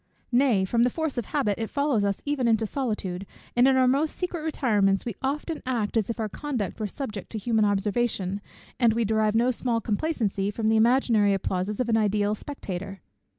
Nay, from the force of habit, it follows us even into solitude, and in our most secret retirements we often act as if our conduct were subject to human observation, and we derive no small complacency from the imaginary applauses of an ideal spectator."